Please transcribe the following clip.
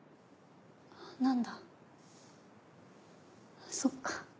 何だそっか。